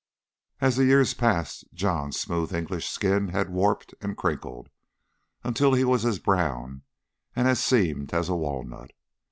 As the years passed John's smooth English skin had warped and crinkled until he was as brown and as seamed as a walnut.